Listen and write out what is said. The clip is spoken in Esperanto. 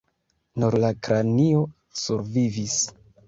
Nur la kranio survivis.